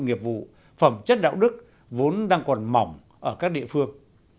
nghiệp vụ phẩm chất đạo đức vốn đang còn mỏng ở các địa phương